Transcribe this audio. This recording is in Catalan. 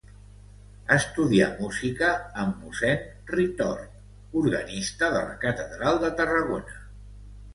Estudià música amb mossèn Ritort, organista de la catedral de Tarragona.